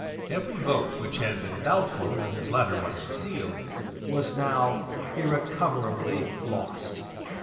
Every vote which had been doubtful when his letter was unsealed was now irrecoverably lost.